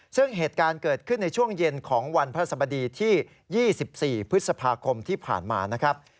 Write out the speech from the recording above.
ซึ่งเหตุการณ์เกิดขึ้นในช่วงเย็นของวันพระสบดีที่๒๔พฤษภาคมที่ผ่านมานะครับ